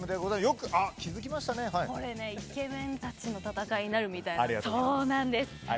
これ、イケメンたちの戦いになるみたいです。